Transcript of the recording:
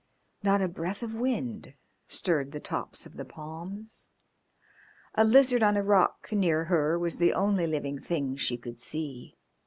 Not a breath of wind stirred the tops of the palms; a lizard on a rock near her was the only living thing she could see.